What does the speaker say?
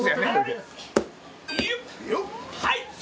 はい。